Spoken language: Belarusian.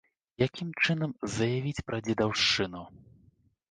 Якім чынам заявіць пра дзедаўшчыну?